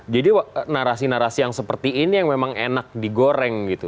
narasi narasi yang seperti ini yang memang enak digoreng gitu